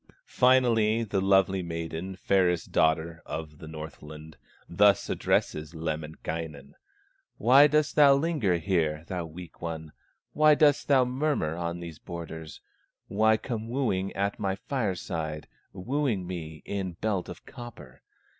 Finally the lovely maiden, Fairest daughter of the Northland, Thus addresses Lemminkainen: "Why dost linger here, thou weak one, Why dost murmur on these borders, Why come wooing at my fireside, Wooing me in belt of copper?